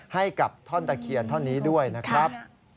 ให้กับท่อนตะเคียนท่อนนี้ด้วยนะครับ